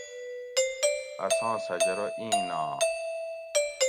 اساں سجرہ ایں ناں